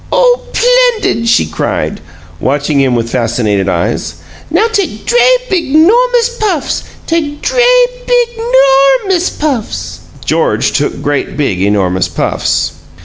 "Oh, 'plendid!" she cried, watching him with fascinated eyes. "Now take dray, big, 'normous puffs! Take dray, big, 'NORMOUS puffs!" George took great, big, enormous puffs.